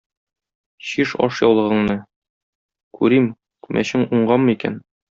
Чиш ашъяулыгыңны, күрим, күмәчең уңганмы икән?